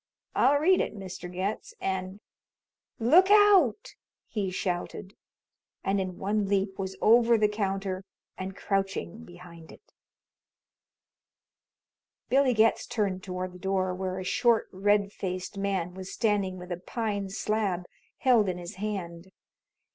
I'll read it, Mr. Getz, and Look out!" he shouted, and in one leap was over the counter and crouching behind it. Billy Getz turned toward the door, where a short, red faced man was standing with a pine slab held in his hand.